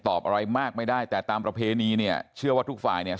อะไรมากไม่ได้แต่ตามประเพณีเนี่ยเชื่อว่าทุกฝ่ายเนี่ย